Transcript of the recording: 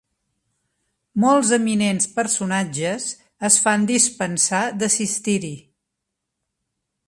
Molts eminents personatges es fan dispensar d'assistir-hi.